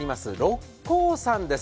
六甲山です。